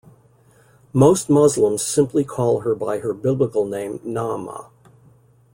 Most Muslims simply call her by her biblical name Naamah.